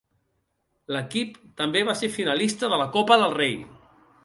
L'equip també va ser finalista de la Copa del Rei.